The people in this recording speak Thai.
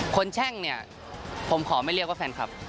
แช่งเนี่ยผมขอไม่เรียกว่าแฟนคลับ